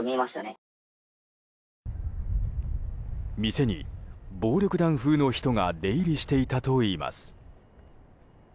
店に暴力団風の人が出入りしていたといいます。